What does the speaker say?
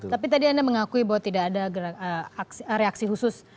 tapi tadi anda mengakui bahwa tidak ada reaksi khusus